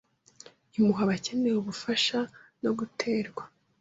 impuhwe abakeneye ubufasha no guterwa